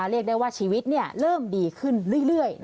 เรียกได้ว่าชีวิตเริ่มดีขึ้นเรื่อย